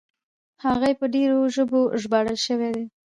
هغه یې په ډېرو ژبو ژباړل شوي دي.